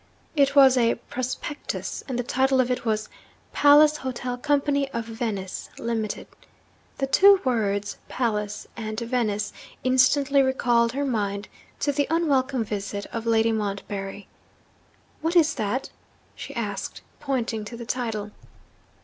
It was a 'prospectus,' and the title of it was 'Palace Hotel Company of Venice (Limited).' The two words, 'Palace' and 'Venice,' instantly recalled her mind to the unwelcome visit of Lady Montbarry. 'What is that?' she asked, pointing to the title.